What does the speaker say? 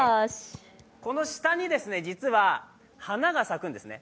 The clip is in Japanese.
この下に実は花が咲くんですね。